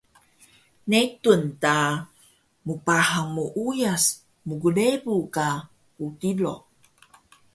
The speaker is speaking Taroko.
netun ta mbahang muuyas mgrebu ka qdiro